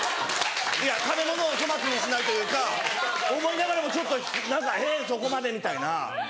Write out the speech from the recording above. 食べ物を粗末にしないというか思いながらもちょっと何かえっそこまでみたいな。